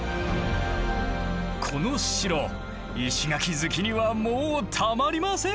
この城石垣好きにはもうたまりません！